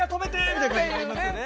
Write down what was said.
みたいな感じになりますよね。